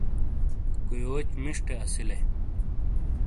کویوچ مشیٹے اسیلے